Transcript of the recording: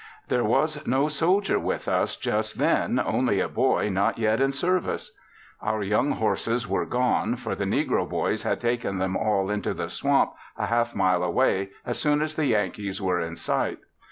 There was no soldier with us just then, only a boy not yet in service. Our young horses were gone, for the negro boys had taken them all into the swamp a half mile away as soon as the Yankees were in sight.